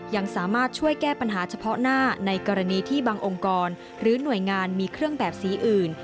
ยังสามารถช่วยแก้ปัญหาเฉพาะหน้าในกรณีที่บางองค์กรหรือหน่วยงานมีเครื่องแบบสีอื่น